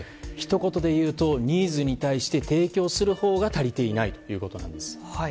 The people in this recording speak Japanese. ひと言でいうとニーズに対して提供するほうが足りていないということです。